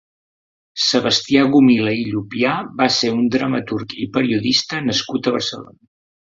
Sebastià Gomila i Llupià va ser un dramaturg i periodista nascut a Barcelona.